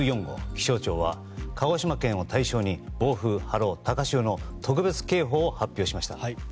気象庁は鹿児島県を対象に暴風、波浪、高潮の特別警報を発表しました。